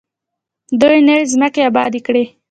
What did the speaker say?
دوی نوې ځمکې ابادې کړې.